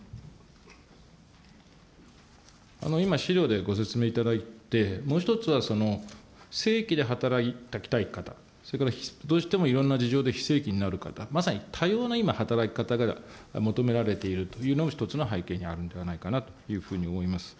今、資料でご説明いただいて、もう１つは、正規で働きたい方、それからどうしてもいろんな事情で非正規になる方、まさに多様な今、働き方が求められているというのも一つの背景にあるんではないかなというふうに思います。